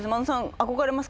憧れます？